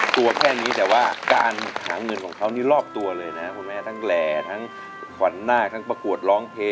ตัวแค่นี้แต่ว่าการหาเงินของเขานี่รอบตัวเลยนะคุณแม่ทั้งแหล่ทั้งขวัญหน้าทั้งประกวดร้องเพลง